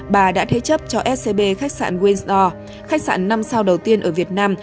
bà đã thế chấp cho scb khách sạn windor khách sạn năm sao đầu tiên ở việt nam